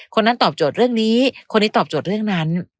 คนนั้นตอบโจทย์เรื่องนี้คนนี้ตอบโจทย์เรื่องนั้น